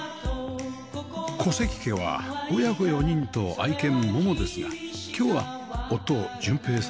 小関家は親子４人と愛犬モモですが今日は夫淳平さん